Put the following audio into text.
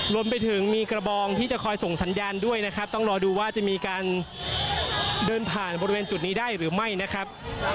รวมไปถึงมีกระบองที่จะคอยส่งสัญญาณด้วยนะครับต้องรอดูว่าจะมีการเดินผ่านบริเวณจุดนี้ได้หรือไม่นะครับ